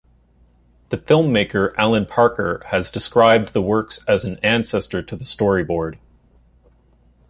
The filmmaker Alan Parker has described the works as an ancestor to the storyboard.